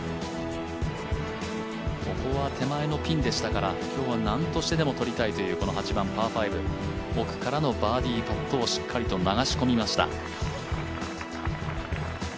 ここは手前のピンでしたから今日はなんとしてでも取りたいという、この８番パー５奥からのバーディーパットをしっかりと流し込みました。